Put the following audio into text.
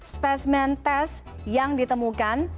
spesimen tes yang ditemukan